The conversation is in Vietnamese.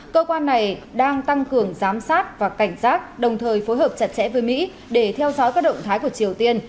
cơ quan này đang tăng cường giám sát và cảnh giác đồng thời phối hợp chặt chẽ với mỹ để theo dõi các động thái của triều tiên